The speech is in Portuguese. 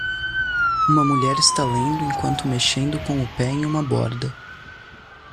Uma mulher está lendo enquanto mexendo com o pé em uma borda.